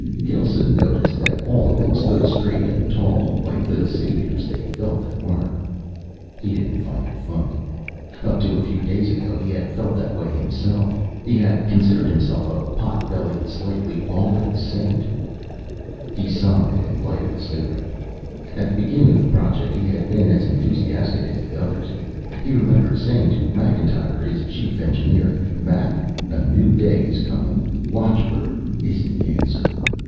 Gelsen noticed that all of them stood straight and tall, like the saviors they felt they were. He didn't find it funny. Up to a few days ago he had felt that way himself. He had considered himself a pot bellied, slightly balding saint. He sighed and lighted a cigarette. At the beginning of the project, he had been as enthusiastic as the others. He remembered saying to Macintyre, his chief engineer, "Mac, a new day is coming. Watchbird is the Answer."